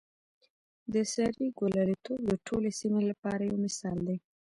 د سارې ګلالتوب د ټولې سیمې لپاره یو مثال دی.